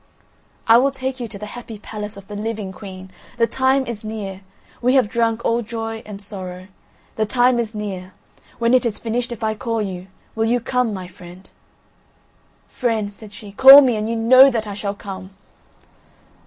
"I will take you to the Happy Palace of the living, Queen! The time is near. We have drunk all joy and sorrow. The time is near. When it is finished, if I call you, will you come, my friend?" "Friend," said she, "call me and you know that I shall come."